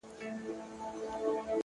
د عمل قوت شک ماتوي.!